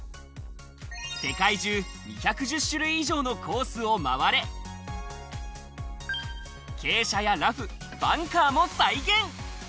世界中２１０種類以上のコースを回れ、傾斜やラフ、バンカーも再現。